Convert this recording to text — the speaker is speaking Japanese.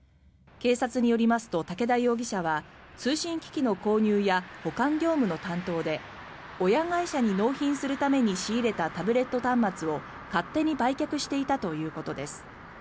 警察によりますと竹田容疑者は通信機器の購入や保管業務の担当で親会社に納品するために仕入れたタブレット端末を勝手に売却していたということです。